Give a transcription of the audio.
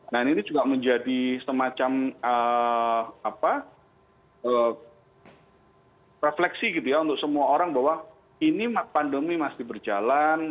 nah ini juga menjadi semacam refleksi gitu ya untuk semua orang bahwa ini pandemi masih berjalan